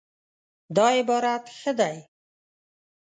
دا عبارت ښه دی